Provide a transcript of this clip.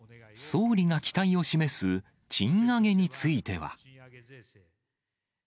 総理が期待を示す賃上げについては。